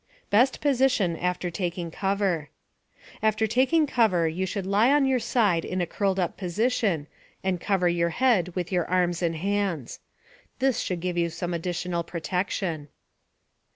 * BEST POSITION AFTER TAKING COVER. After taking cover you should lie on your side in a curled up position, and cover your head with your arms and hands. This would give you some additional protection.